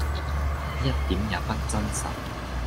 一點也不真實！